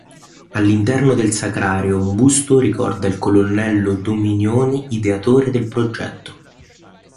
All'interno del sacrario un busto ricorda il colonnello Dominioni, ideatore del progetto.